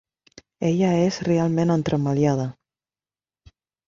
Ella és realment entremaliada.